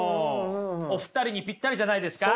お二人にぴったりじゃないですか？